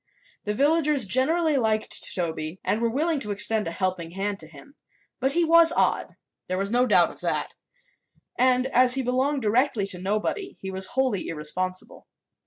The villagers generally liked Toby and were willing to extend a helping hand to him; but he was odd there was no doubt of that and as he belonged directly to nobody he was wholly irresponsible.